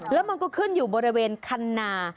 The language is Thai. แล้วมันก็ขึ้นอยู่บริเวณคันนา